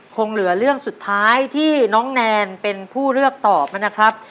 คงเหลือเรื่องสุดท้ายที่น้องแนนเป็นผู้เลือกตอบนะครับ